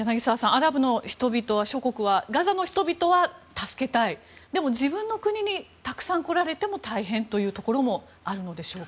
アラブ諸国の人々はガザの人々は助けたいでも、自分の国にたくさん来られても大変というところもあるのでしょうか。